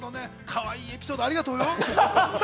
かわいいエピソード、ありがとうございます。